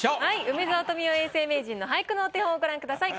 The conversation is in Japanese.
梅沢富美男永世名人の俳句のお手本をご覧ください。